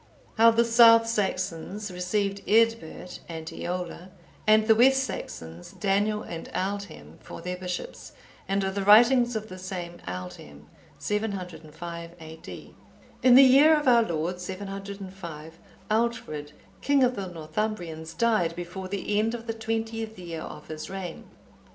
How the South Saxons received Eadbert and Eolla, and the West Saxons, Daniel and Aldhelm, for their bishops; and of the writings of the same Aldhelm. [705 A.D.] In the year of our Lord 705, Aldfrid, king of the Northumbrians, died(867) before the end of the twentieth year of his reign.